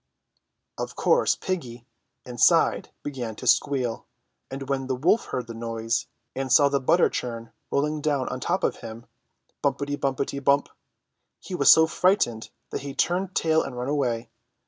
Of course piggy, inside, began to squeal, and when the wolf heard the noise, and saw the butter churn rolling down on top of him — Bumpety, bumpety, bump !— he was so frightened that he turned tail and ran away.